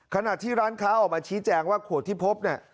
ขณะที่ร้านค้าออกมาชี้แจงว่าขวดที่พบเนี่ย